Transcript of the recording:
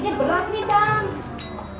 ini berat nih bang